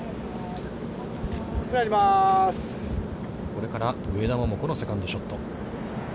これから、上田桃子のセカンドショット。